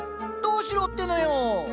どうしろってのよ？